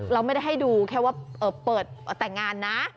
เราไม่ได้ให้ดูแค่ว่าเปิดแต่งงานนะ